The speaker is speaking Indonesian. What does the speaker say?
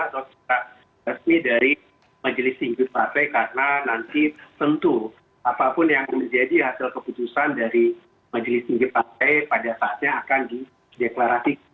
atau secara resmi dari majelis tinggi partai karena nanti tentu apapun yang menjadi hasil keputusan dari majelis tinggi partai pada saatnya akan dideklarasikan